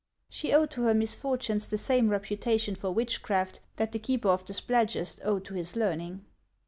She owed to her misfortunes the same reputation for witchcraft that the keeper of the Spladgest owed to his learning.